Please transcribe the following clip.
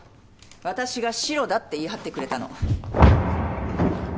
私がシロだって言い張ってくれたの。